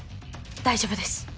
大丈夫です。